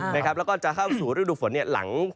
แล้วก็จะเข้าสู่ฤดุฝนเนี่ยหลัง